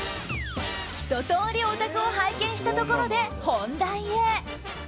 ひととおりお宅を拝見したところで本題へ。